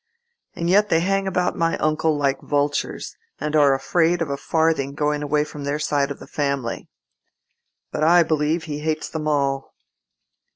And yet they hang about my uncle like vultures, and are afraid of a farthing going away from their side of the family. But I believe he hates them all."